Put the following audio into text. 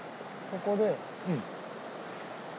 ここで。